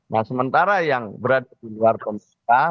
nah sementara yang berada di luar pemerintahan